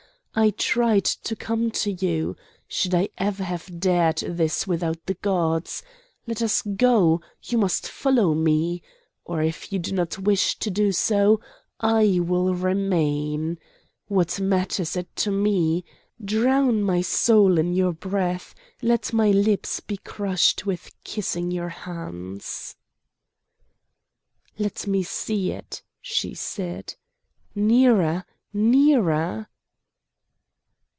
I tried to come to you! Should I ever have dared this without the Gods!—Let us go! You must follow me! or, if you do not wish to do so, I will remain. What matters it to me!—Drown my soul in your breath! Let my lips be crushed with kissing your hands!" "Let me see it!" she said. "Nearer! nearer!"